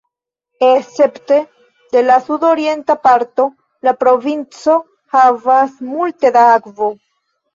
Escepte de la sudorienta parto, la provinco havas multe da akvo.